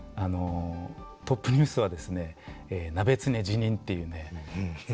トップニュースはですね「ナベツネ辞任」っていうね